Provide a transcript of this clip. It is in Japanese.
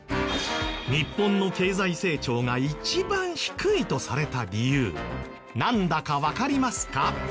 日本の経済成長が一番低いとされた理由なんだかわかりますか？